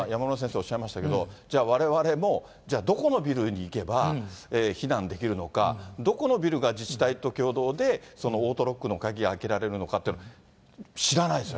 おっしゃいましたけど、じゃあ、われわれも、どこのビルに行けば避難できるのか、どこのビルが自治体と共同で、オートロックの鍵開けられるのかって、知らないですよ